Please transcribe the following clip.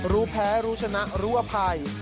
รู้แพ้รู้ชนะรู้อภัย